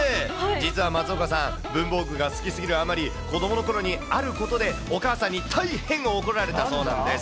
実は松岡さん、文房が好きすぎるあまり、子どものころにお母さんにあることでお母さんに大変怒られたそうなんです。